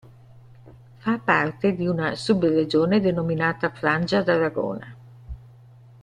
Fa parte di una subregione denominata Frangia d'Aragona.